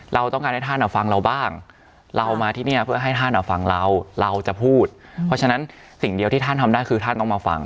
เราต้องการให้ท่านฟังเราบ้างเรามาที่นี่เพื่อให้ท่านฟังเราเราจะพูดเพราะฉะนั้นสิ่งเดียวที่ท่านทำได้คือท่านต้องมาฟัง